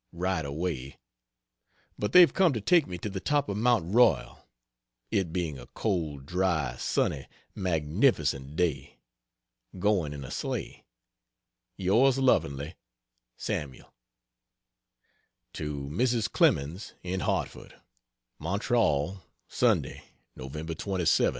Right away But they've come to take me to the top of Mount Royal, it being a cold, dry, sunny, magnificent day. Going in a sleigh. Yours lovingly, SAML. To Mrs. Clemens, in Hartford: MONTREAL, Sunday, November 27, 1881.